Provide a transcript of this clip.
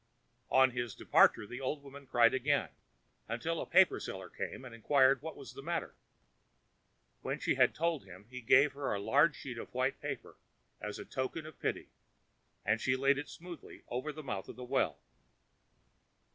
On his departure the old woman cried again, until a paper seller came and inquired what was the matter. When she had told him, he gave her a large sheet of white paper, as a token of pity, and she laid it smoothly over the mouth of the well.